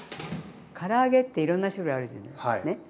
から揚げっていろんな種類あるじゃないね？